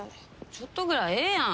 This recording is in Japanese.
ちょっとぐらいええやん。